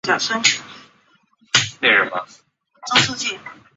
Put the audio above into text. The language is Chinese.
山顶则是著名的观光地。